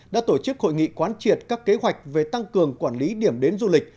đã tổ chức hội nghị quán triệt các kế hoạch về tăng cường quản lý điểm đến du lịch